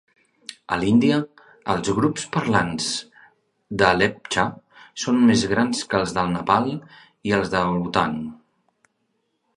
A l'Índia els grups parlants de lepcha són més grans que els del Nepal i del Bhutan.